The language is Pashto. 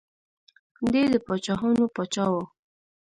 دی د پاچاهانو پاچا و.